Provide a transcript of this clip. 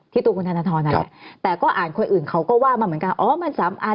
ที่ตัวคุณธรรมนั้นแต่ก็อ่านคนอื่นเขาก็ว่ามาเหมือนกัน